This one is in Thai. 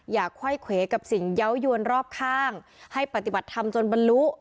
ไขว้เขวกับสิ่งเยาว์ยวนรอบข้างให้ปฏิบัติธรรมจนบรรลุ